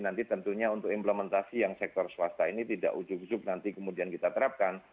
nanti tentunya untuk implementasi yang sektor swasta ini tidak ujuk ujuk nanti kemudian kita terapkan